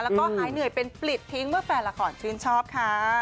แล้วก็หายเหนื่อยเป็นปลิดทิ้งเมื่อแฟนละครชื่นชอบค่ะ